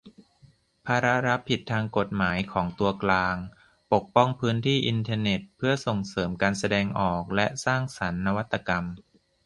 ภาระรับผิดทางกฎหมายของตัวกลาง : ปกป้องพื้นที่อินเทอร์เน็ตเพื่อส่งเสริมการแสดงออกและสร้างสรรค์นวัตกรรม